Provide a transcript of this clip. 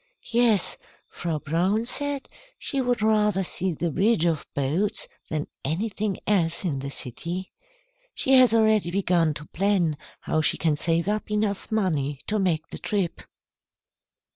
"Yes, Frau Braun said she would rather see the bridge of boats than anything else in the city. She has already begun to plan how she can save up enough money to make the trip."